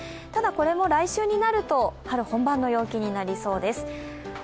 ただ、これも来週になると春本番の陽気になりそうです。